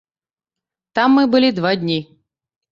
Там мы былі два дні.